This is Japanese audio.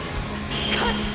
勝つ！！